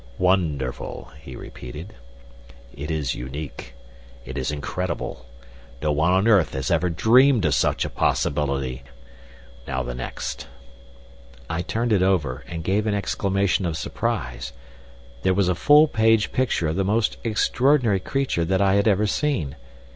"Wonderful!" he repeated. "It is unique. It is incredible. No one on earth has ever dreamed of such a possibility. Now the next." I turned it over, and gave an exclamation of surprise. There was a full page picture of the most extraordinary creature that I had ever seen.